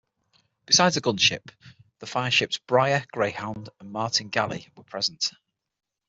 Besides the gunships, the fireships "Bryar", "Greyhound" and "Martin Gally" were present.